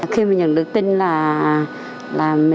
khi mình nhận được tin là